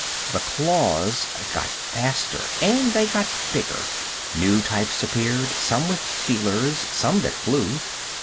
The claws got faster, and they got bigger. New types appeared, some with feelers, some that flew.